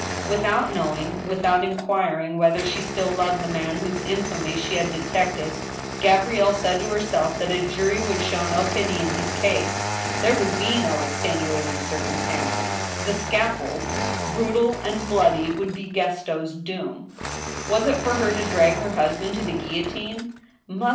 Without knowing, without inquiring whether she stfll loved the man whose infamy she had detected, Gabrielle said to herself that a jury would show no pity in his case ; there would be no extenuating circumstances. The scaffold, brutal and bloody, would be Gaston's doom! Was it for her to drag her husband to the guillotine